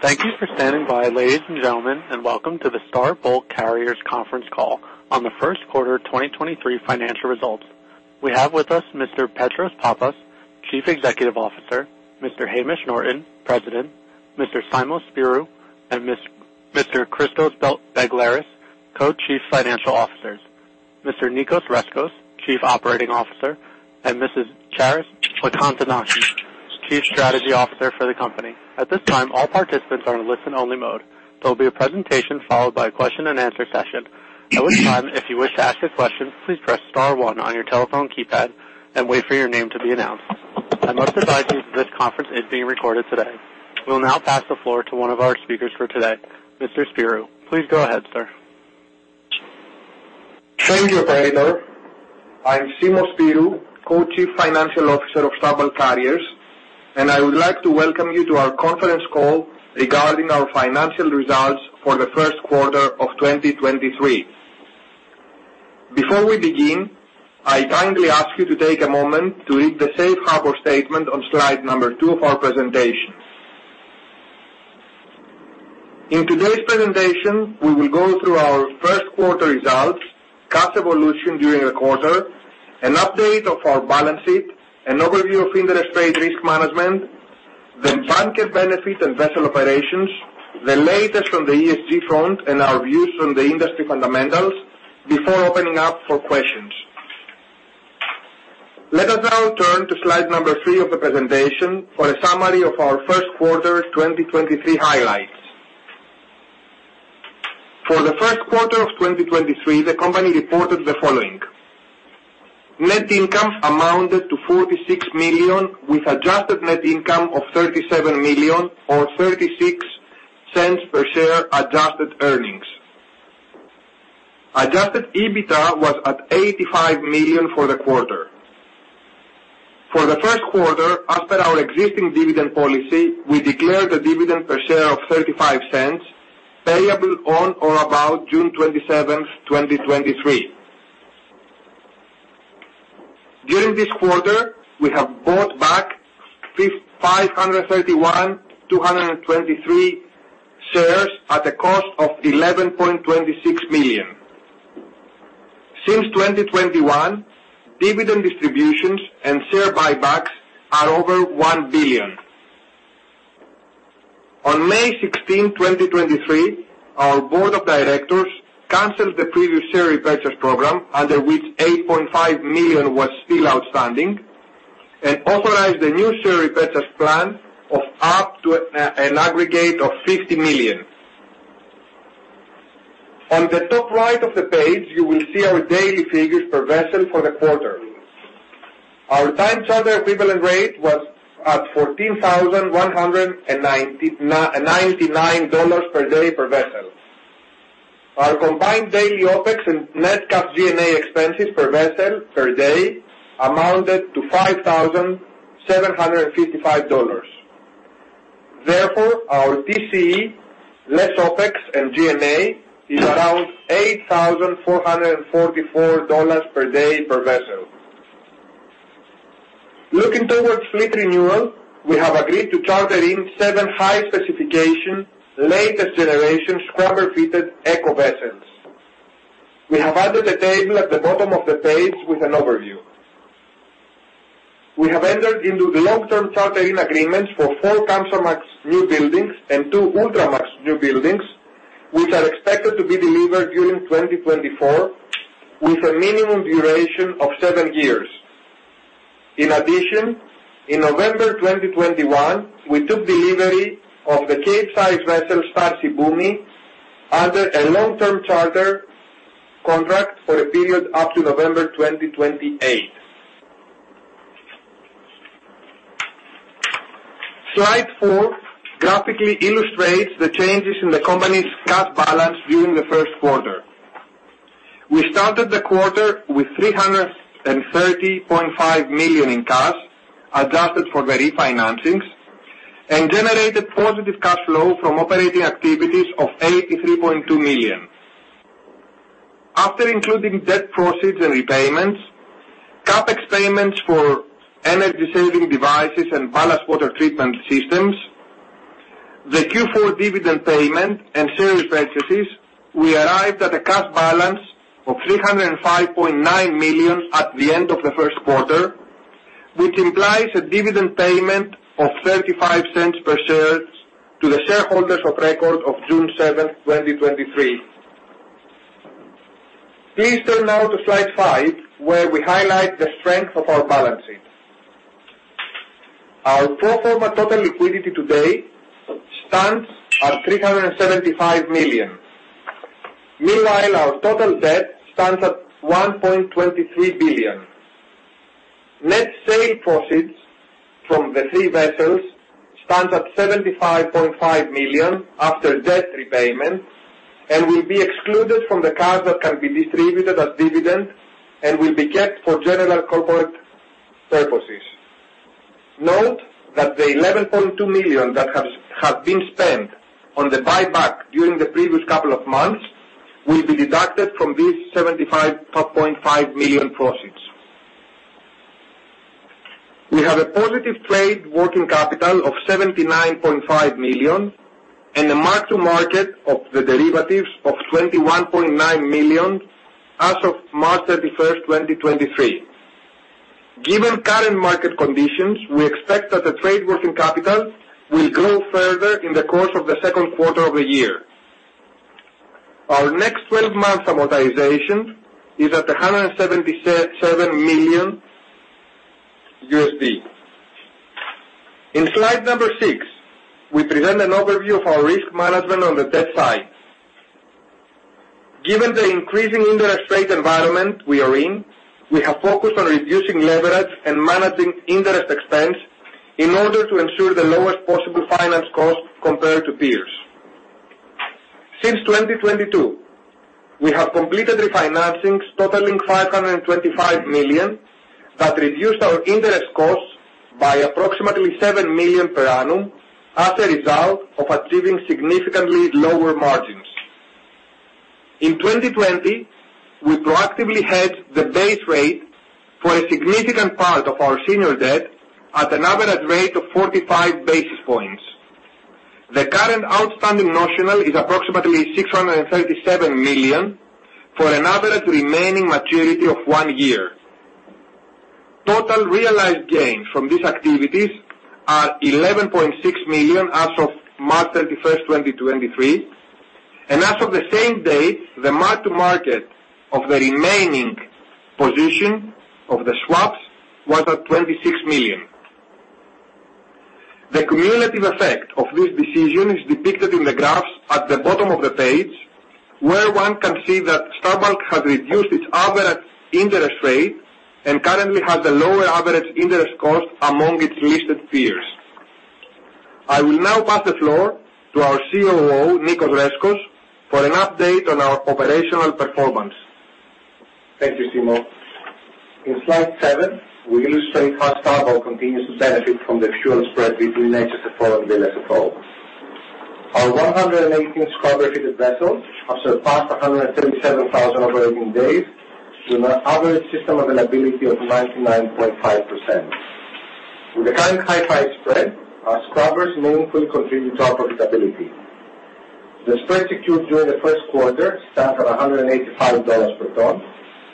Thank you for standing by, ladies and gentlemen, and welcome to the Star Bulk Carriers conference call on the first quarter of 2023 financial results. We have with us Mr. Petros Pappas, Chief Executive Officer, Mr. Hamish Norton, President, Mr. Simos Spyrou, and Mr. Christos Begleris, Co-Chief Financial Officers, Mr. Nicos Rescos, Chief Operating Officer, and Mrs. Charis Plakantonaki, Chief Strategy Officer for the company. At this time, all participants are in listen-only mode. There will be a presentation followed by a question and answer session. At which time, if you wish to ask a question, please press star one on your telephone keypad and wait for your name to be announced. I must advise you this conference is being recorded today. We'll now pass the floor to one of our speakers for today. Mr. Spyrou, please go ahead, sir. Thank you, operator. I'm Simos Spyrou, co-chief financial officer of Star Bulk Carriers, I would like to welcome you to our conference call regarding our financial results for the first quarter of 2023. Before we begin, I kindly ask you to take a moment to read the Safe Harbor statement on slide number two of our presentation. In today's presentation, we will go through our first quarter results, cash evolution during the quarter, an update of our balance sheet, an overview of interest rate risk management, the bunker benefit and vessel operations, the latest on the ESG front and our views on the industry fundamentals before opening up for questions. Let us now turn to slide number three of the presentation for a summary of our first quarter 2023 highlights. For the first quarter of 2023, the company reported the following. Net income amounted to $46 million, with adjusted net income of $37 million or $0.36 per share adjusted earnings. Adjusted EBITDA was at $85 million for the quarter. For the first quarter, as per our existing dividend policy, we declared a dividend per share of $0.35, payable on or about June 27th, 2023. During this quarter, we have bought back 531,223 shares at a cost of $11.26 million. Since 2021, dividend distributions and share buybacks are over $1 billion. On May 16, 2023, our board of directors canceled the previous share repurchase program under which $8.5 million was still outstanding and authorized a new share repurchase plan of up to an aggregate of $50 million. On the top right of the page, you will see our daily figures per vessel for the quarter. Our time charter equivalent rate was at $14,199 per day per vessel. Our combined daily OPEX and net cash G&A expenses per vessel per day amounted to $5,755. Our TCE, less OPEX and G&A, is around $8,444 per day per vessel. Looking towards fleet renewal, we have agreed to charter in seven high specification, latest generation scrubber fitted eco vessels. We have added a table at the bottom of the page with an overview. We have entered into the long-term charter in agreements for four Kamsarmax new buildings and two Ultramax new buildings, which are expected to be delivered during 2024 with a minimum duration of seven years. In addition, in November 2021, we took delivery of the Capesize vessel Star Shibumi under a long-term charter contract for a period up to November 2028. Slide four graphically illustrates the changes in the company's cash balance during the first quarter. We started the quarter with $330.5 million in cash, adjusted for the refinancings, and generated positive cash flow from operating activities of $83.2 million. After including debt proceeds and repayments, CapEx payments for energy saving devices and ballast water treatment systems, the Q4 dividend payment and share repurchases, we arrived at a cash balance of $305.9 million at the end of the first quarter, which implies a dividend payment of $0.35 per share to the shareholders of record of June 7, 2023. Please turn now to slide five, where we highlight the strength of our balance sheet. Our pro forma total liquidity today stands at $375 million. Our total debt stands at $1.23 billion. Net sale proceeds from the three vessels stands at $75.5 million after debt repayment and will be excluded from the cash that can be distributed as dividend and will be kept for general corporate purposes. Note that the $11.2 million that have been spent on the buyback during the previous couple of months will be deducted from these $75.5 million proceeds. We have a positive trade working capital of $79.5 million, and a mark to market of the derivatives of $21.9 million as of March 31st, 2023. Given current market conditions, we expect that the trade working capital will grow further in the course of the second quarter of the year. Our next 12 months amortization is at $177 million. In slide number six, we present an overview of our risk management on the debt side. Given the increasing interest rate environment we are in, we have focused on reducing leverage and managing interest expense in order to ensure the lowest possible finance cost compared to peers. Since 2022, we have completed refinancings totaling $525 million that reduced our interest costs by approximately $7 million per annum as a result of achieving significantly lower margins. In 2020, we proactively hedged the base rate for a significant part of our senior debt at an average rate of 45 basis points. The current outstanding notional is approximately $637 million for an average remaining maturity of one year. Total realized gains from these activities are $11.6 million as of March 31st, 2023, and as of the same date, the mark to market of the remaining position of the swaps was at $26 million. The cumulative effect of this decision is depicted in the graphs at the bottom of the page, where one can see that Star Bulk has reduced its average interest rate and currently has the lower average interest cost among its listed peers. I will now pass the floor to our COO, Nicos Rescos, for an update on our operational performance. Thank you, Simos. In slide seven, we illustrate how Star Bulk continues to benefit from the fuel spread between HSFO and LSFO. Our 118 scrubber-fitted vessels have surpassed 177,000 operating days with an average system availability of 99.5%. With the current Hi-5 spread, our scrubbers meaningfully contribute to our profitability. The spread secured during the first quarter stands at $185 per ton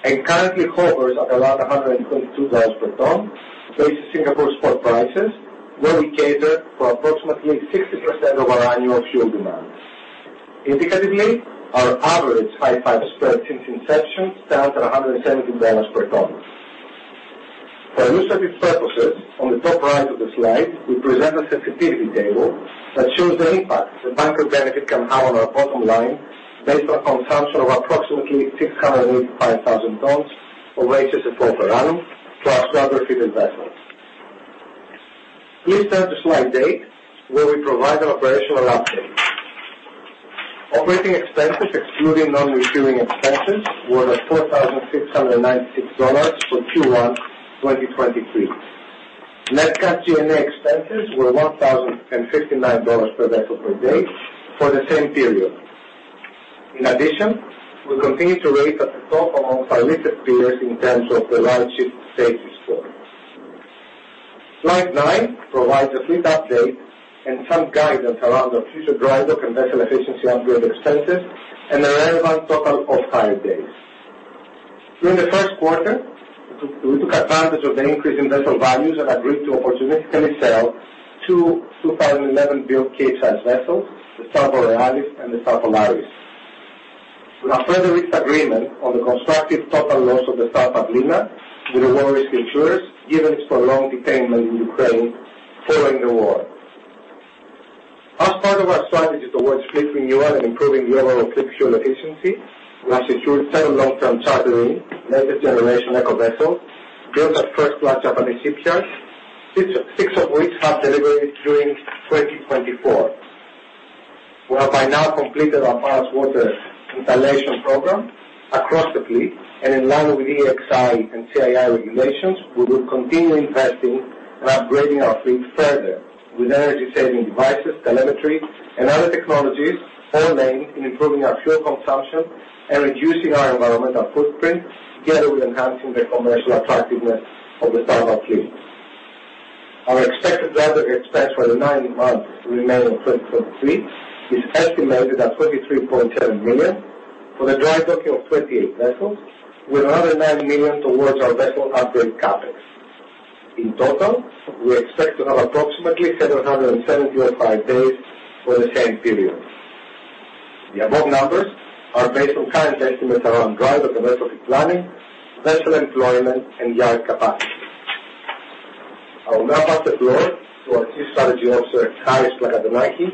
and currently hovers at around $122 per ton based on Singapore spot prices, where we cater for approximately 60% of our annual fuel demand. Indicatively, our average Hi-5 spread since inception stands at $170 per ton. For illustrative purposes, on the top right of the slide, we present a sensitivity table that shows the impact the bunker benefit can have on our bottom line based on consumption of approximately 685,000 tons of HSFO per annum to our scrubber-fitted investments. Please turn to slide eight, where we provide an operational update. Operating expenses, excluding non-recurring expenses, were at $4,696 for Q1 2023. Net cash G&A expenses were $1,059 per vessel per day for the same period. In addition, we continue to rate at the top among our listed peers in terms of the RightShip Safety Score. Slide 9 provides a fleet update and some guidance around our future drydock and vessel efficiency upgrade expenses and the relevant total of hire days. During the first quarter, we took advantage of the increase in vessel values and agreed to opportunistically sell 2, 2011-built Capesize vessels, the Star Borealis and the Star Polaris. We have further reached agreement on the constructive total loss of the Star Pavlina with war risk insurers, given its prolonged detainment in Ukraine following the war. As part of our strategy towards fleet renewal and improving the overall fleet fuel efficiency, we have secured several long-term chartering, latest generation eco vessel, built at first-class Japanese shipyards, six of which have deliveries during 2024. We have by now completed our ballast water installation program across the fleet. In line with EEXI and CII regulations, we will continue investing and upgrading our fleet further with energy-saving devices, telemetry, and other technologies all aimed in improving our fuel consumption and reducing our environmental footprint, together with enhancing the commercial attractiveness of the Star Bulk fleet. Our expected drydock expense for the nine months remaining in 2023 is estimated at $23.7 million for the drydocking of 28 vessels with another $9 million towards our vessel upgrade CapEx. In total, we expect to have approximately 775 days for the same period. The above numbers are based on current estimates around drydock and vessel fleet planning, vessel employment, and yard capacity. I will now pass the floor to our Chief Strategy Officer, Charis Plakantonaki,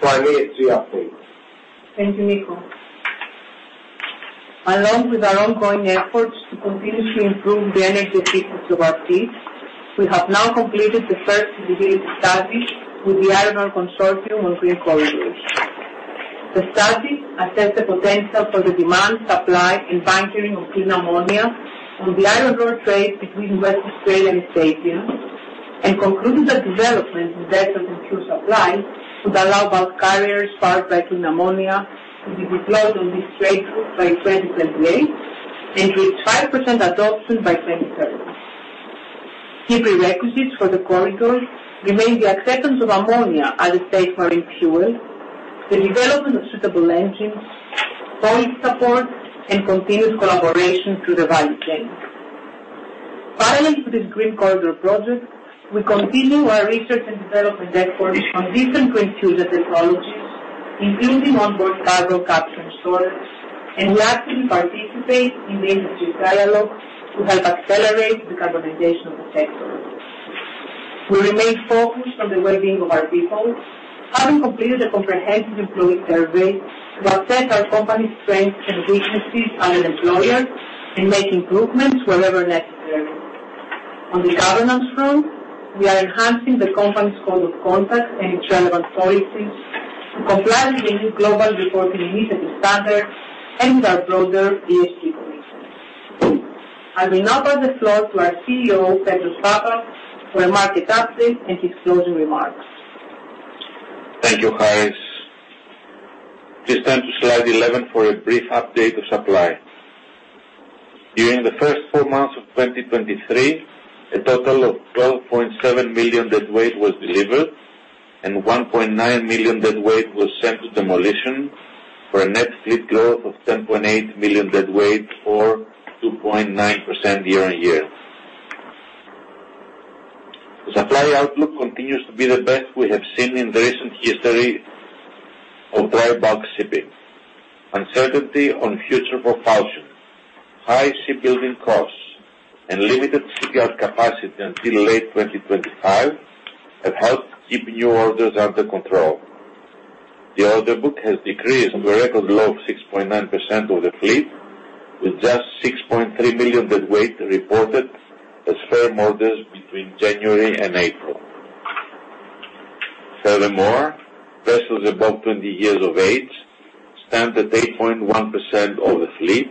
for an ESG update. Thank you, Nicos. Along with our ongoing efforts to continue to improve the energy efficiency of our fleet, we have now completed the first feasibility study with the Iron Ore Consortium on Green Corridors. The study assessed the potential for the demand, supply, and bunkering of clean ammonia on the iron ore trade between West Australia and Japan. Concluded the development of deficit and fuel supply would allow bulk carriers powered by clean ammonia to be deployed on this trade route by 2028 and reach 5% adoption by 2030. Key prerequisites for the corridor remain the acceptance of ammonia as a safe marine fuel, the development of suitable engines, policy support and continued collaboration through the value chain. Finally, to this Green Corridors project, we continue our research and development efforts on different green future technologies, including onboard carbon capture and storage, and we actively participate in the industry dialogue to help accelerate decarbonization of the sector. We remain focused on the well-being of our people, having completed a comprehensive employee survey to assess our company's strengths and weaknesses as an employer and make improvements wherever necessary. On the governance front, we are enhancing the company's code of conduct and relevant policies to comply with the new Global Reporting Initiative standards and with our broader ESG goals. I will now pass the floor to our CEO, Petros Pappas, for a market update and his closing remarks. Thank you, Charis. Please turn to slide 11 for a brief update of supply. During the first four months of 2023, a total of 12.7 million deadweight was delivered, and 1.9 million deadweight was sent to demolition for a net fleet growth of 10.8 million deadweight or 2.9% year-on-year. The supply outlook continues to be the best we have seen in the recent history of dry bulk shipping. Uncertainty on future propulsion, high shipbuilding costs, and limited shipyard capacity until late 2025 have helped keep new orders under control. The order book has decreased to a record low of 6.9% of the fleet, with just 6.3 million deadweight reported as firm orders between January and April. Furthermore, vessels above 20 years of age stand at 8.1% of the fleet.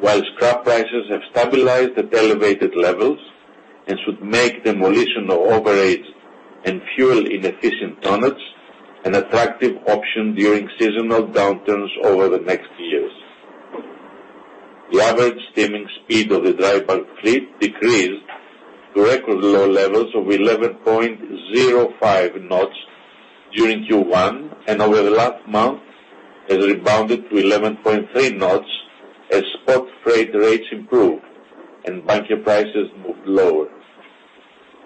While scrap prices have stabilized at elevated levels and should make demolition of overage and fuel-inefficient tonnages an attractive option during seasonal downturns over the next years. The average steaming speed of the dry bulk fleet decreased to record low levels of 11.05 knots during Q1, and over the last month has rebounded to 11.3 knots as spot freight rates improved and bunker prices moved lower.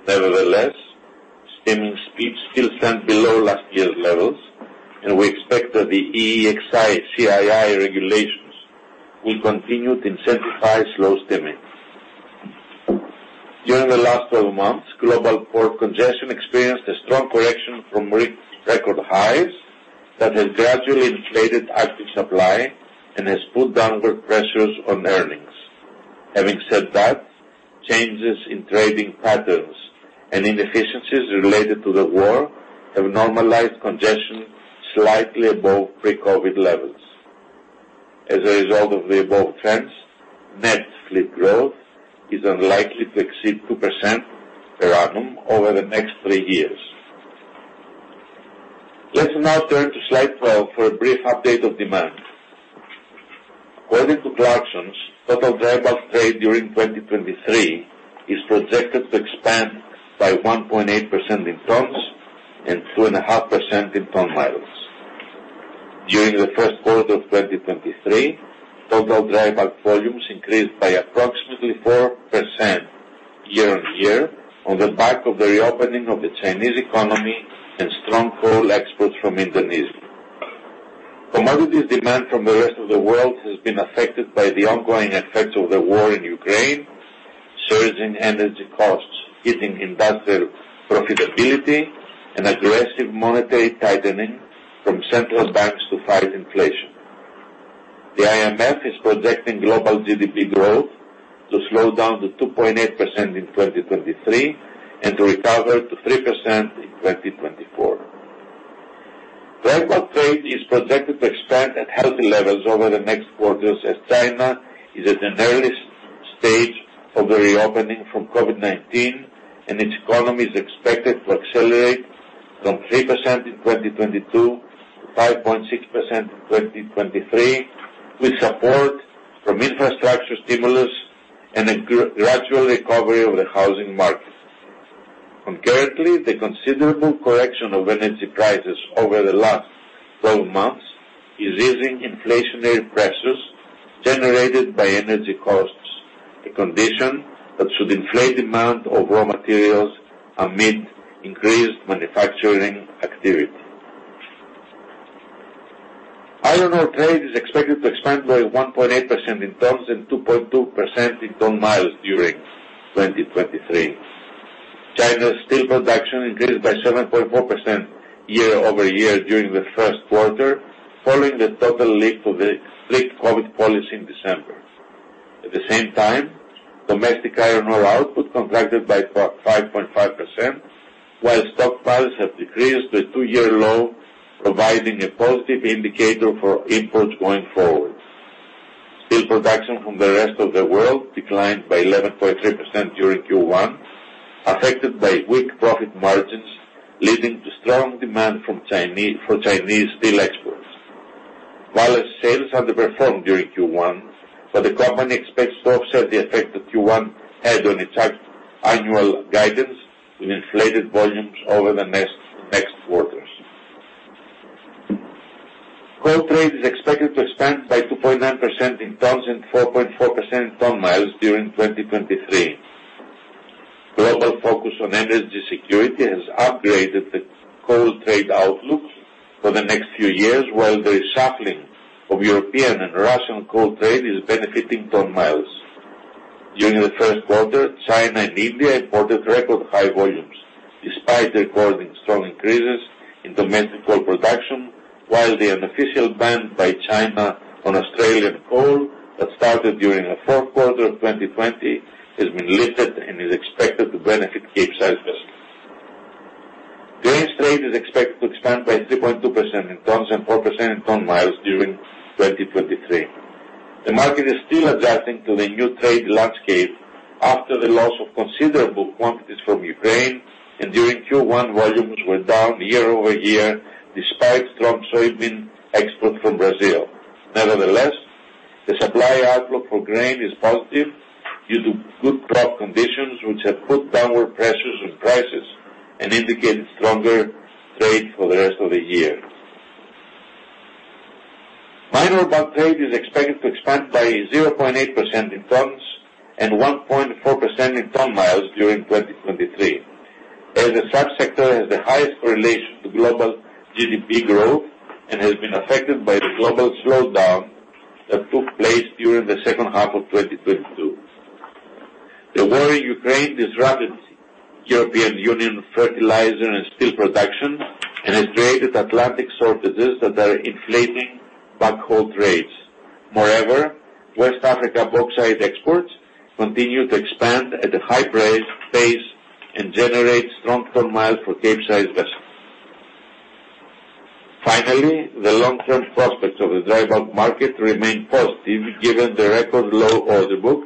Nevertheless, steaming speeds still stand below last year's levels, and we expect that the EEXI, CII regulations will continue to incentivize slow steaming. During the last 12 months, global port congestion experienced a strong correction from record highs that has gradually inflated active supply and has put downward pressures on earnings. Having said that, changes in trading patterns and inefficiencies related to the war have normalized congestion slightly above pre-COVID levels. As a result of the above trends, net fleet growth is unlikely to exceed 2% per annum over the next three years. Let's now turn to slide 12 for a brief update of demand. According to Clarksons, total dry bulk trade during 2023 is projected to expand by 1.8% in tons and 2.5% in ton-miles. During the first quarter of 2023, total dry bulk volumes increased by approximately 4% year-on-year on the back of the reopening of the Chinese economy and strong coal exports from Indonesia. Commodities demand from the rest of the world has been affected by the ongoing effects of the war in Ukraine, surge in energy costs eating industrial profitability, and aggressive monetary tightening from central banks to fight inflation. The IMF is projecting global GDP growth to slow down to 2.8% in 2023 and to recover to 3% in 2024. Dry bulk trade is projected to expand at healthy levels over the next quarters, as China is at an early stage of the reopening from COVID-19, its economy is expected to accelerate from 3% in 2022 to 5.6% in 2023, with support from infrastructure stimulus and a gradual recovery of the housing market. Concurrently, the considerable correction of energy prices over the last 12 months is easing inflationary pressures generated by energy costs, a condition that should inflate demand of raw materials amid increased manufacturing activity. Iron ore trade is expected to expand by 1.8% in tons and 2.2% in ton-miles during 2023. China's steel production increased by 7.4% year-over-year during the first quarter, following the total lift of the strict COVID policy in December. At the same time, domestic iron ore output contracted by 5.5%, while stockpiles have decreased to a two-year low, providing a positive indicator for imports going forward. Steel production from the rest of the world declined by 11.3% during Q1, affected by weak profit margins, leading to strong demand for Chinese steel exports. Vale sales underperformed during Q1. The company expects to offset the effect that Q1 had on its annual guidance with inflated volumes over the next quarters. Coal trade is expected to expand by 2.9% in tons and 4.4% in ton-miles during 2023. Global focus on energy security has upgraded the coal trade outlook for the next few years, while the reshuffling of European and Russian coal trade is benefiting ton-miles. During the first quarter, China and India imported record high volumes despite recording strong increases in domestic coal production, while the unofficial ban by China on Australian coal that started during the fourth quarter of 2020 has been lifted and is expected to benefit Capesize vessels. Grains trade is expected to expand by 3.2% in tons and 4% in ton-miles during 2023. The market is still adjusting to the new trade landscape after the loss of considerable quantities from Ukraine, and during Q1, volumes were down year-over-year despite strong soybean export from Brazil. Nevertheless, the supply outlook for grain is positive due to good crop conditions which have put downward pressures on prices and indicated stronger trade for the rest of the year. Minor bulk trade is expected to expand by 0.8% in tons and 1.4% in ton-miles during 2023, as the sub-sector has the highest correlation to global GDP growth and has been affected by the global slowdown that took place during the second half of 2022. The war in Ukraine disrupted European Union fertilizer and steel production and has created Atlantic shortages that are inflating backhaul trades. Moreover, West Africa bauxite exports continue to expand at a high pace and generate strong ton-miles for Capesize vessels. Finally, the long-term prospects of the dry bulk market remain positive given the record low order book,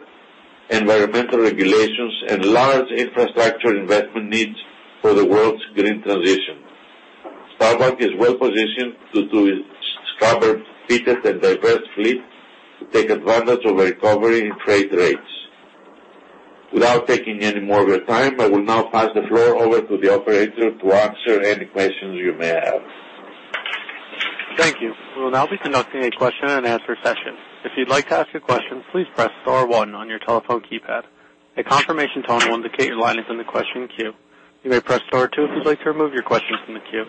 environmental regulations and large infrastructure investment needs for the world's green transition. Star Bulk is well-positioned due to its scrubber-fitted and diverse fleet to take advantage of a recovery in trade rates. Without taking any more of your time, I will now pass the floor over to the operator to answer any questions you may have. Thank you. We'll now be conducting a question-and-answer session. If you'd like to ask a question, please press star one on your telephone keypad. A confirmation tone will indicate your line is in the question queue. You may press star two if you'd like to remove your question from the queue.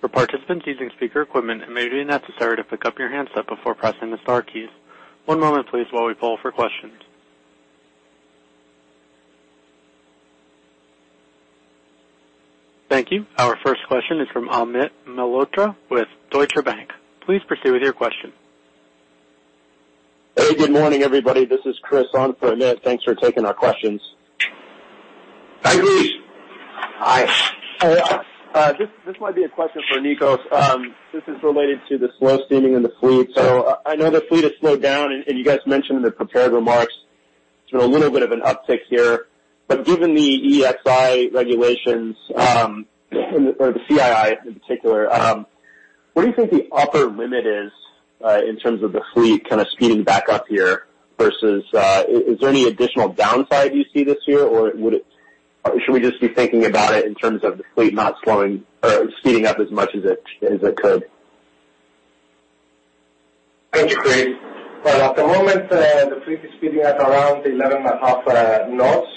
For participants using speaker equipment, it may be necessary to pick up your handset before pressing the star keys. One moment please while we poll for questions. Thank you. Our first question is from Amit Mehrotra with Deutsche Bank. Please proceed with your question. Hey, good morning, everybody. This is Chris on for Amit. Thanks for taking our questions. Hi, Chris. Hi. This might be a question for Nicos. This is related to the slow steaming in the fleet. I know the fleet has slowed down, and you guys mentioned in the prepared remarks there's been a little bit of an uptick here. Given the EEXI, or the CII in particular, what do you think the upper limit is in terms of the fleet kind of speeding back up here versus? Is there any additional downside you see this year, or should we just be thinking about it in terms of the fleet not slowing or speeding up as much as it could? Thank you, Chris. Well, at the moment, the fleet is speeding at around 11.5 knots.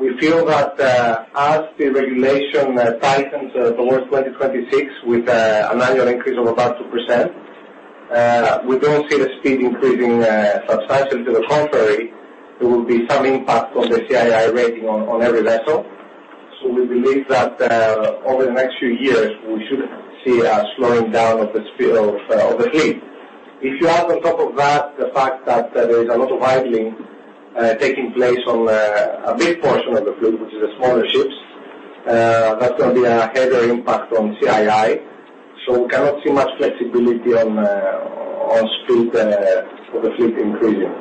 We feel that as the regulation tightens towards 2026 with an annual increase of about 2%, we don't see the speed increasing substantially. To the contrary, there will be some impact on the CII rating on every vessel. We believe that over the next few years, we should see a slowing down of the fleet. If you add on top of that the fact that there is a lot of idling taking place on a big portion of the fleet, which is the smaller ships, that's gonna be a heavier impact on CII, we cannot see much flexibility on speed or the fleet increasing.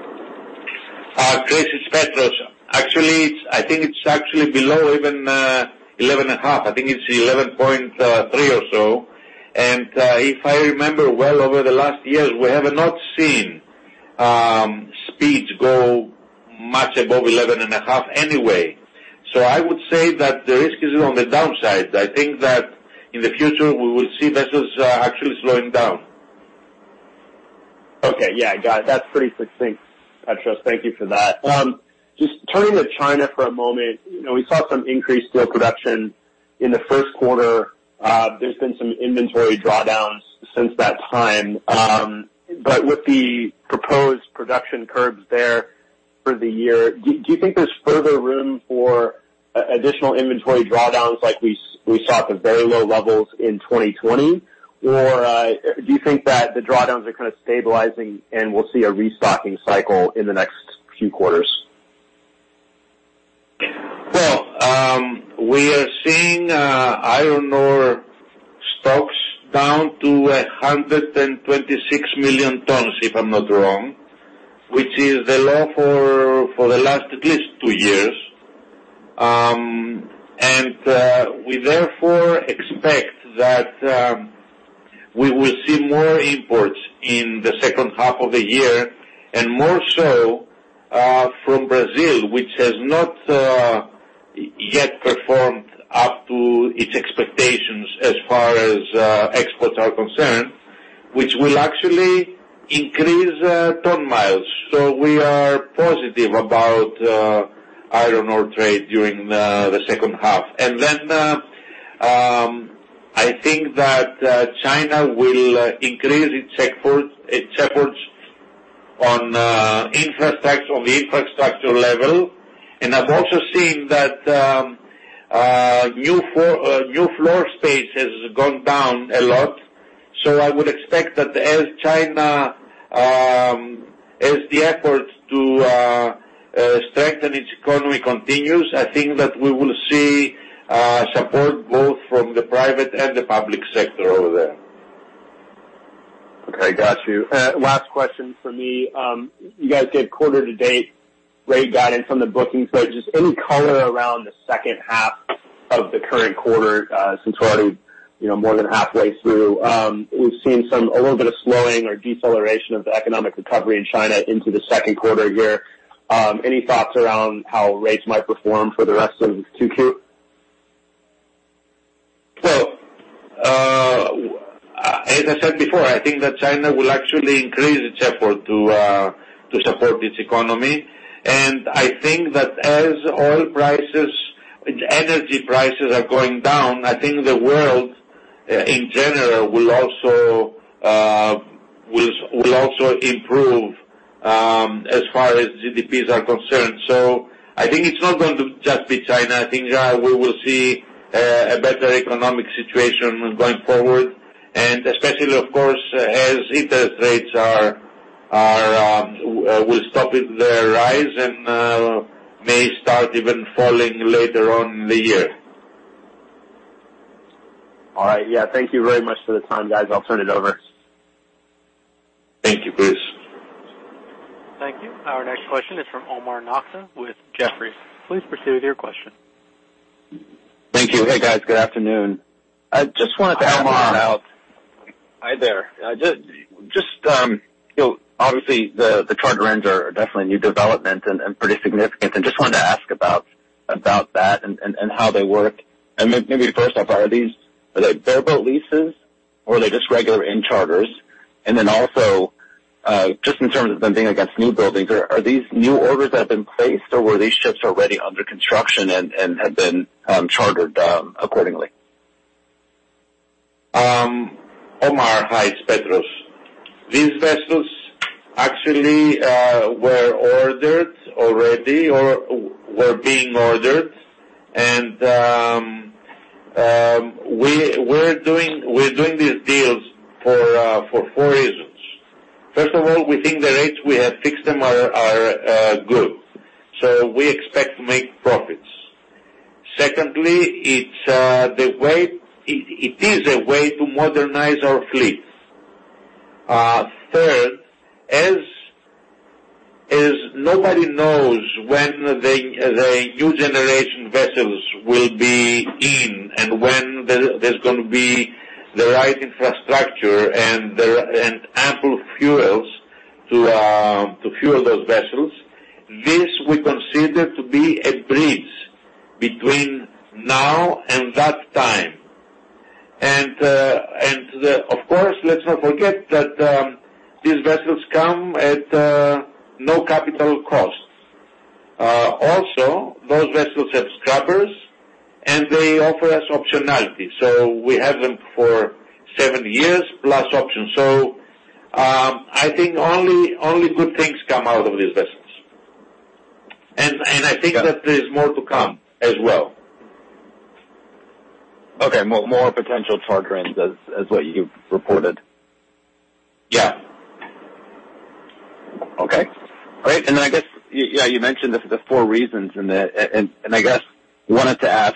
Chris, it's Petros. Actually, I think it's actually below even 11.5. I think it's 11.3 or so. If I remember well over the last years, we have not seen speeds go much above 11.5 anyway. I would say that the risk is on the downside. I think that in the future, we will see vessels actually slowing down. Okay. Yeah, got it. That's pretty succinct, Petros. Thank you for that. Just turning to China for a moment, you know, we saw some increased steel production in the first quarter. There's been some inventory drawdowns since that time. With the proposed production curbs there for the year, do you think there's further room for additional inventory drawdowns like we saw at the very low levels in 2020? Or, do you think that the drawdowns are kinda stabilizing and we'll see a restocking cycle in the next few quarters? We are seeing iron ore stocks down to 126 million tons, if I'm not wrong, which is the low for the last at least 2 years. We therefore expect that we will see more imports in the second half of the year, and more so from Brazil, which has not yet performed up to its expectations as far as exports are concerned, which will actually increase ton-miles. We are positive about iron ore trade during the second half. I think that China will increase its efforts on the infrastructure level. I've also seen that new floor space has gone down a lot. I would expect that as China, as the effort to strengthen its economy continues, I think that we will see support both from the private and the public sector over there. Okay, got you. Last question for me. You guys gave quarter-to-date rate guidance from the bookings. Just any color around the second half of the current quarter, since we're already, you know, more than halfway through. We've seen some, a little bit of slowing or deceleration of the economic recovery in China into the second quarter here. Any thoughts around how rates might perform for the rest of 2Q? As I said before, I think that China will actually increase its effort to support its economy. I think that as oil prices and energy prices are going down, I think the world in general will also improve as far as GDPs are concerned. I think it's not going to just be China. I think we will see a better economic situation going forward, and especially, of course, as interest rates are, will stop their rise and may start even falling later on in the year. All right. Yeah. Thank you very much for the time, guys. I'll turn it over. Thank you, Chris. Thank you. Our next question is from Omar Nokta with Jefferies. Please proceed with your question. Thank you. Hey, guys. Good afternoon. Hi, Omar. Hi there. I just, you know obviously the charter ends are definitely new development and pretty significant. I just wanted to ask about that and how they work. Maybe first off, are they bareboat leases or are they just regular in charters? Also, just in terms of competing against new buildings, are these new orders that have been placed or were these ships already under construction and have been chartered accordingly? Omar, hi, it's Petros. These vessels actually were ordered already or were being ordered. We're doing these deals for four reasons. First of all, we think the rates we have fixed them are good. We expect to make profits. Secondly, it is a way to modernize our fleet. Third, as nobody knows when the new generation vessels will be in and when there's gonna be the right infrastructure and ample fuels to fuel those vessels. This we consider to be a bridge between now and that time. Of course, let's not forget that these vessels come at no capital costs. Also those vessels have scrubbers, and they offer us optionality. We have them for seven years plus option. I think only good things come out of these vessels. I think that there's more to come as well. Okay. More potential charter ends as what you've reported. Yeah. Okay, great. Then I guess, yeah, you mentioned the four reasons and I guess I wanted to ask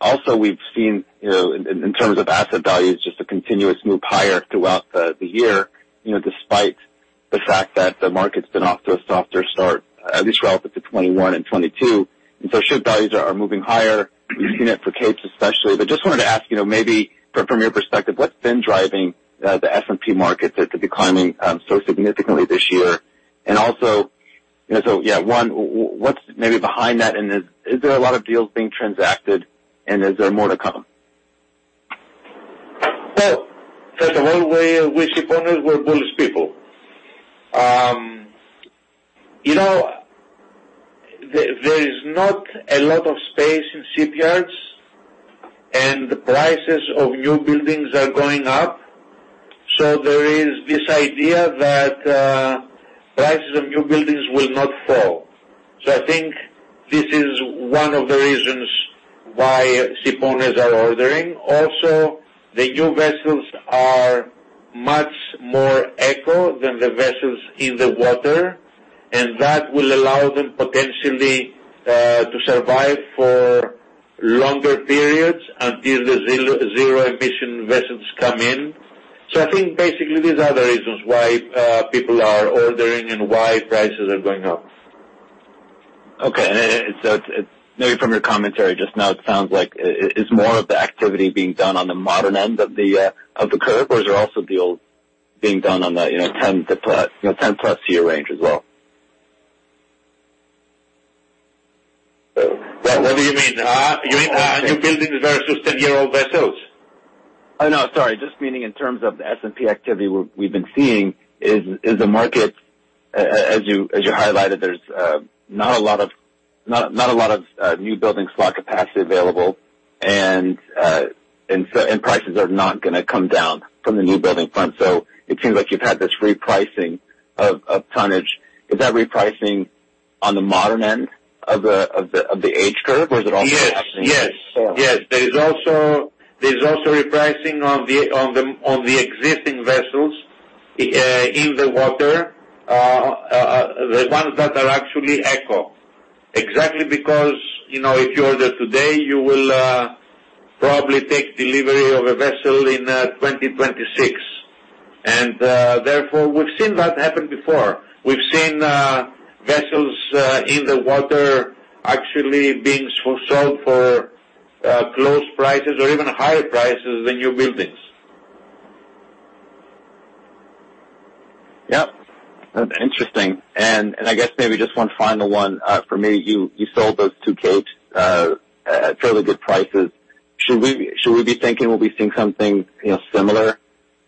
also we've seen, you know, in terms of asset values, just a continuous move higher throughout the year, you know, despite the fact that the market's been off to a softer start, at least relative to 2021 and 2022. So ship values are moving higher, unit for Capes especially. Just wanted to ask, you know, maybe from your perspective, what's been driving the S&P market to be climbing so significantly this year? Also, you know, yeah, what's maybe behind that, and is there a lot of deals being transacted and is there more to come? First of all, we ship owners, we're bullish people. You know, there is not a lot of space in shipyards, and the prices of new buildings are going up. There is this idea that prices of new buildings will not fall. I think this is one of the reasons why shipowners are ordering. Also, the new vessels are much more eco than the vessels in the water, and that will allow them potentially to survive for longer periods until the zero emission vessels come in. I think basically these are the reasons why people are ordering and why prices are going up. Okay. Maybe from your commentary just now it sounds like, is more of the activity being done on the modern end of the curve or is there also deals being done on the, you know, 10 to plus, you know, 10+ year range as well? What do you mean? You mean are you building the vessels 10-year-old vessels? No, sorry, just meaning in terms of the S&P activity we've been seeing is the market as you, as you highlighted, there's not a lot of, not a lot of new building slot capacity available and prices are not gonna come down from the new building front. It seems like you've had this repricing of tonnage. Is that repricing on the modern end of the age curve or is it also happening in? Yes, yes. Yes. There is also repricing on the, on the, on the existing vessels in the water. The ones that are actually echo. Exactly because, you know, if you order today you will probably take delivery of a vessel in 2026. Therefore we've seen that happen before. We've seen vessels in the water actually being sold for close prices or even higher prices than new buildings. Yep. Interesting. I guess maybe just one final one for me. You sold those two Capes at fairly good prices. Should we be thinking we'll be seeing something, you know, similar?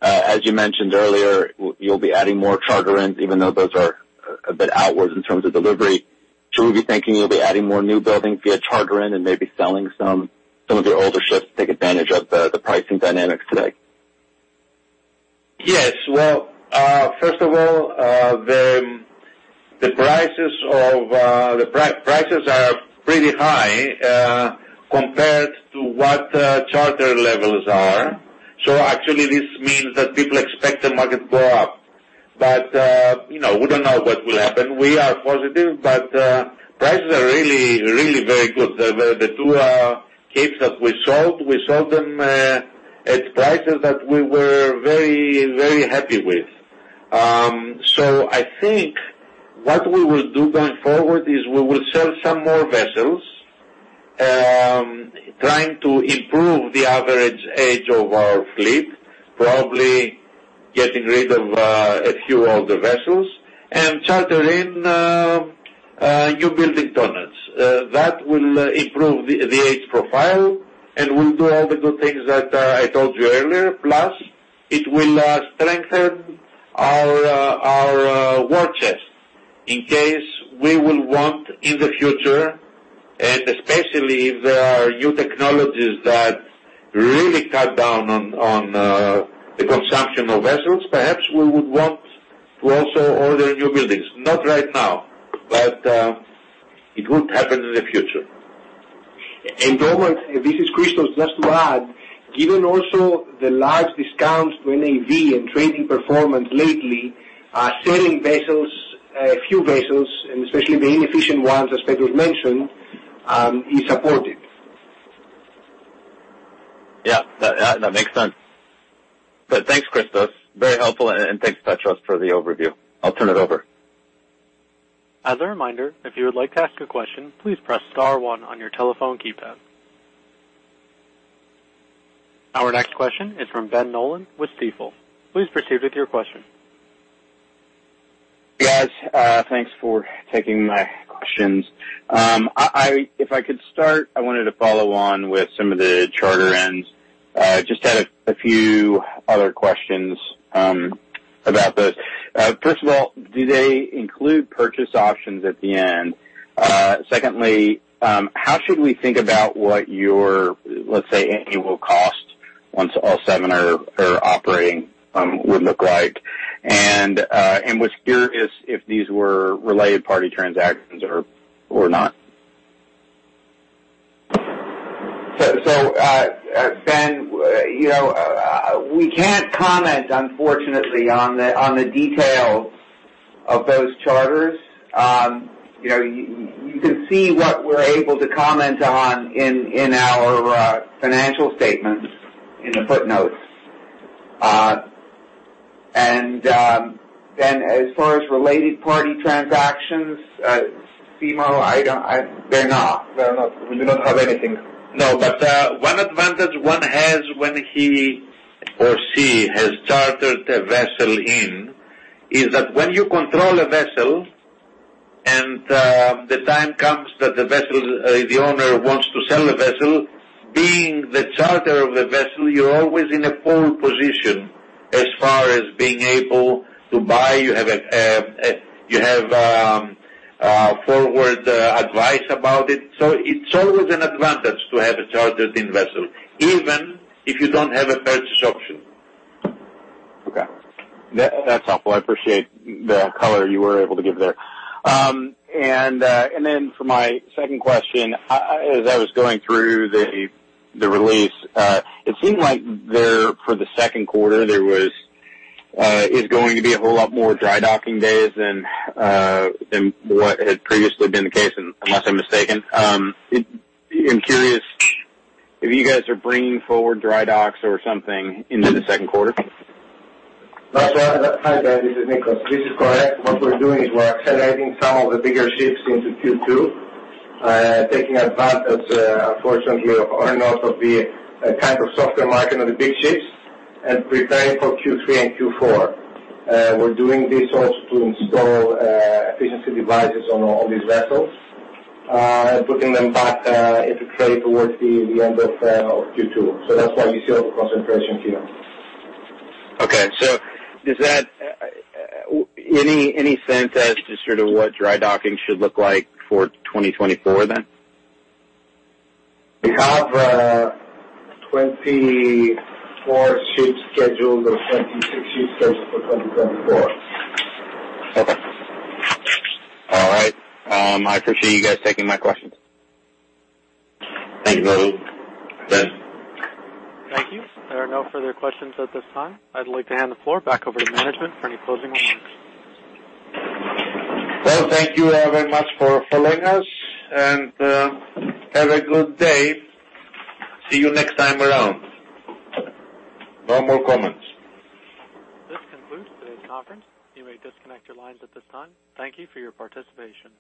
As you mentioned earlier you'll be adding more charter-ins even though those are a bit outwards in terms of delivery. Should we be thinking you'll be adding more new buildings via charter-in and maybe selling some of your older ships to take advantage of the pricing dynamics today? Yes. Well, first of all, the prices are pretty high compared to what charter levels are. Actually this means that people expect the market to go up. You know, we don't know what will happen. We are positive, but prices are really very good. The two Capes that we sold, we sold them at prices that we were very happy with. I think what we will do going forward is we will sell some more vessels, trying to improve the average age of our fleet, probably getting rid of a few older vessels and charter in new building tonnage. That will improve the age profile and will do all the good things that I told you earlier. It will strengthen our war chest in case we will want in the future, and especially if there are new technologies that really cut down on on the consumption of vessels, perhaps we would want to also order new buildings. Not right now, but it would happen in the future. Omar, this is Christos. Just to add, given also the large discounts to NAV and trading performance lately, selling vessels, a few vessels and especially the inefficient ones as Petros mentioned, is supported. Yeah. That makes sense. Thanks, Christos. Very helpful and thanks Petros for the overview. I'll turn it over. As a reminder, if you would like to ask a question, please press star one on your telephone keypad. Our next question is from Ben Nolan with Stifel. Please proceed with your question. Guys, thanks for taking my questions. If I could start, I wanted to follow on with some of the charter ends. Just had a few other questions about those. First of all, do they include purchase options at the end? Secondly, how should we think about what your, let's say, annual cost once all seven are operating, would look like? Was curious if these were related party transactions or not. So, so, uh, uh, Ben, you know, we can't comment unfortunately on the, on the details of those charters. Um, you know, you, you can see what we're able to comment on in, in our, uh, financial statements in the footnotes. Uh, and, um, then as far as related party transactions, uh, Stifel, I don't, I-- they're not, they're not, we do not have anything. No, but, uh, one advantage one has when he or she has chartered a vessel in is that when you control a vessel and, uh, the time comes that the vessel, uh, the owner wants to sell the vessel, being the charter of the vessel you're always in a pole position as far as being able to buy. You have a, uh, a, you have, um, uh, forward, uh, advice about it. It's always an advantage to have a chartered in vessel, even if you don't have a purchase option. Okay. That's helpful. I appreciate the color you were able to give there. Then for my second question, as I was going through the release, it seemed like there for the second quarter there was going to be a whole lot more dry docking days than what had previously been the case unless I'm mistaken. I'm curious if you guys are bringing forward dry docks or something into the second quarter. Hi Ben, this is Nicos. This is correct. What we're doing is we're accelerating some of the bigger ships into Q2, taking advantage, unfortunately or not of the kind of softer market on the big ships and preparing for Q3 and Q4. We're doing this also to install efficiency devices on these vessels, putting them back into trade towards the end of Q2. That's why you see all the concentration here. Okay. Any sense as to sort of what dry docking should look like for 2024 then? We have, 24 ships scheduled or 26 ships scheduled for 2024. Okay. All right. I appreciate you guys taking my questions. Thank you. Thank you. There are no further questions at this time. I'd like to hand the floor back over to management for any closing remarks. Well, thank you very much for following us and have a good day. See you next time around. No more comments. This concludes today's conference. You may disconnect your lines at this time. Thank you for your participation.